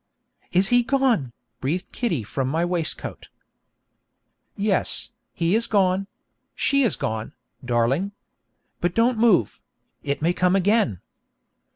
'Is he gone?' breathed Kitty from my waistcoat. 'Yes, he is gone she is gone, darling. But don't move; it may come again.'